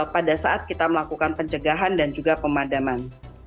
pada saat kita melakukan pencegahan dan juga pemadaman